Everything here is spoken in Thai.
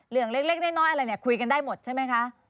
เล็กน้อยอะไรเนี่ยคุยกันได้หมดใช่ไหมคะ